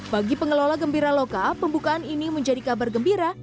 bagi pengelola gembira loka pembukaan ini menjadi kabar gembira